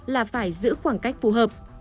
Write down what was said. là phải giữ khoảng cách phù hợp